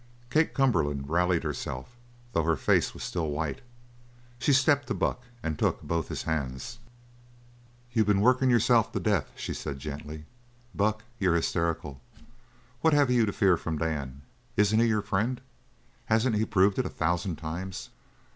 Kate Cumberland rallied herself, though her face was still white. She stepped to Buck and took both his hands. "You've been working yourself to death," she said gently. "Buck, you're hysterical. What have you to fear from Dan? Isn't he your friend? Hasn't he proved it a thousand times?"